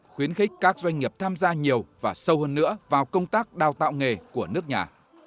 khuyến khích các doanh nghiệp tham gia nhiều và sâu hơn nữa vào công tác đào tạo nghề của nước nhà